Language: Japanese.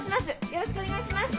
よろしくお願いします。